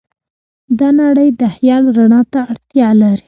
دا نړۍ د خیال رڼا ته اړتیا لري.